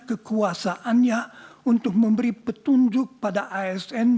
kekuasaannya untuk memberi petunjuk pada asn